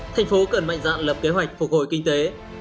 thành phố cần mạnh dạn lập kế hoạch phục hồi kinh tế